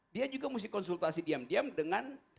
dia juga mesti konsultasi diam diam dengan